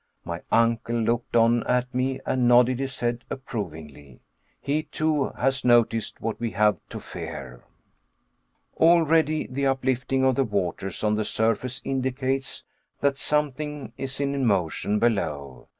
My uncle looked on at me and nodded his head approvingly. He, too, has noticed what we have to fear. Already the uplifting of the waters on the surface indicates that something is in motion below.